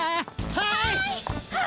はい！